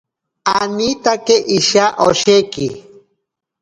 Anitake isha osheki.